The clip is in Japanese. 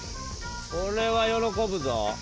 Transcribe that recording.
これは喜ぶぞ。